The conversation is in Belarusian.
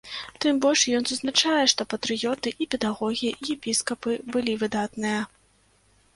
Тым больш ён зазначае, што патрыёты і педагогі епіскапы былі выдатныя.